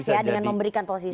ya dengan memberikan posisi